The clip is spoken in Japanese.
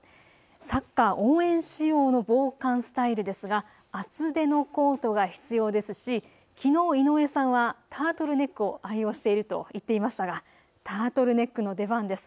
サッカー応援仕様の防寒スタイルですが厚手のコートが必要ですし、きのう井上さんはタートルネックを愛用していると言っていましたがタートルネックの出番です。